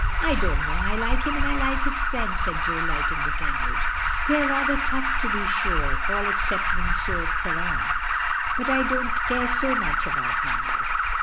"I don't know; I like him and I like his friends," said Jo, lighting the candles. "They are rather rough to be sure, all except Monsieur Caron; but I don't care so much about manners.